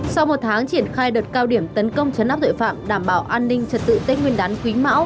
sau một tháng triển khai đợt cao điểm tấn công chấn áp tội phạm đảm bảo an ninh trật tự tết nguyên đán quý mão